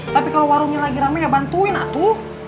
tapi kalau warungnya lagi rame ya bantuin atu